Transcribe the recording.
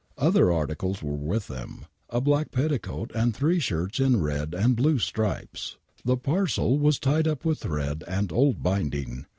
Other articles were with them, a black petticoat and three ehirts in red and blue stripes. The parcel was tied up with thread and old binding.